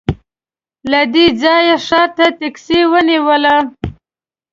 له دې ځايه ښار ته ټکسي ونیوله.